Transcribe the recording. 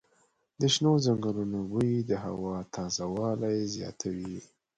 د شنو ځنګلونو بوی د هوا تازه والی زیاتوي.